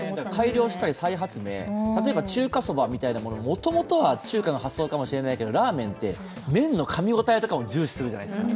改良したり、再発明中華そばみたいなものは、もともとは中華が発祥かもしれないけど、ラーメンって麺のかみごたえも重視するじゃないですか。